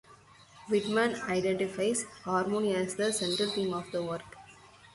Widmann identifies harmony as the central theme of the work.